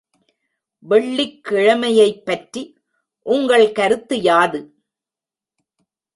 வெள்ளிக்கிழமையைப்பற்றி உங்கள் கருத்து யாது?